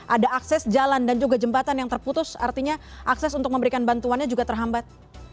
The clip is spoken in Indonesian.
ada akses jalan dan juga jembatan yang terputus artinya akses untuk memberikan bantuannya juga terhambat